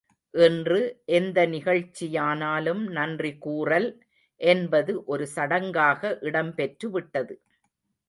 இன்று எந்த நிகழ்ச்சியானாலும் நன்றி கூறல் என்பது ஒரு சடங்காக இடம் பெற்றுவிட்டது.